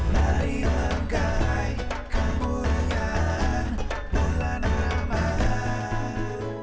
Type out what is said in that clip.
marilah gapai kemuliaan bulan ramadhan